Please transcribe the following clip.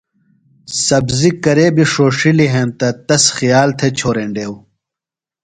سبزیۡ کرے بیۡ ݜوݜِلیۡ ہینتہ تس خیال تھےۡ چھورینڈیوۡ۔